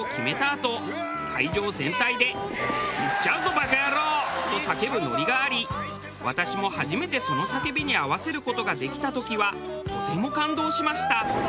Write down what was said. あと会場全体で「いっちゃうぞバカヤロー！」と叫ぶノリがあり私も初めてその叫びに合わせる事ができた時はとても感動しました！